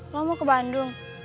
lo mau ke bandung